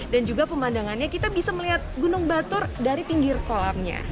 dan juga pemandangannya kita bisa melihat gunung batur dari pinggir kolamnya